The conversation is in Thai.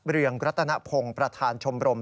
เรืองรัตนพงศ์ประธานชมรม